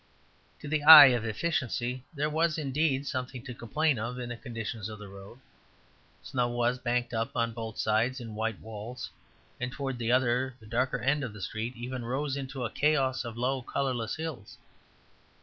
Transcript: To the eye of efficiency, there was, indeed, something to complain of in the condition of the road. Snow was banked up on both sides in white walls and towards the other and darker end of the street even rose into a chaos of low colourless hills.